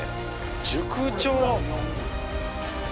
塾長！」